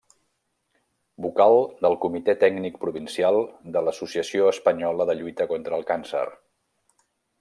Vocal del comitè tècnic provincial de l'Associació Espanyola de Lluita contra el Càncer.